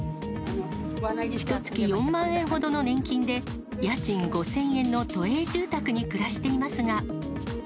ひとつき４万円ほどの年金で、家賃５０００円の都営住宅に暮らしていますが。